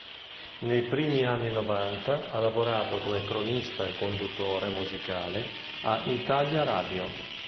Nei primi anni Novanta ha lavorato come cronista e conduttore musicale a "Italia Radio.